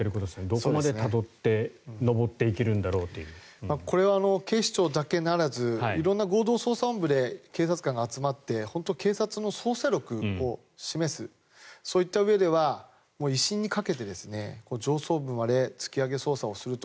どこまでたどってこれは警視庁のみならず色んな合同捜査本部で警察官が集まって警察の捜査力を示すそういった意味では威信にかけて上層部まで突き上げ捜査すると。